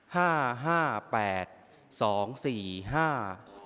ห้าห้าแปดสองสี่ห้า